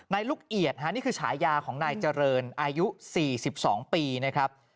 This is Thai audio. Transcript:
ลูกเอียดนี่คือฉายาของนายเจริญอายุ๔๒ปีนะครับ